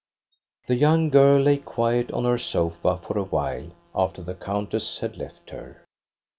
'" The young girl lay quiet on her sofa for a while after the countess had left her.